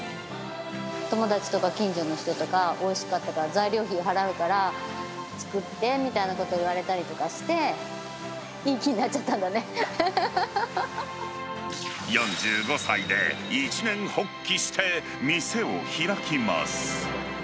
友達とか近所の人とか、おいしかったから、材料費払うから、作ってってみたいなこと言われたりとかして、いい気になっちゃっ４５歳で一念発起して店を開きます。